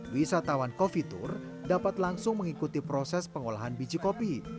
wisatawan coffee tour dapat langsung mengikuti proses pengolahan biji kopi